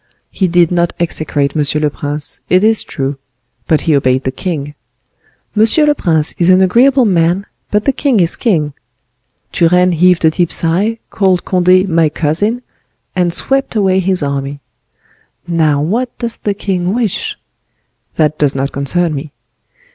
He did not execrate monsieur le prince, it is true, but he obeyed the king. Monsieur le prince is an agreeable man, but the king is king. Turenne heaved a deep sigh, called Conde 'My cousin,' and swept away his army. Now what does the king wish? That does not concern me.